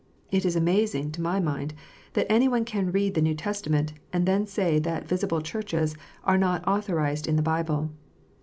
It is amazing, to my mind, that any one can read the New Testament, and then say that visible Churches are not authorized in the Bible.